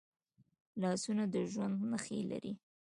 لاسونه د ژوند نښې لري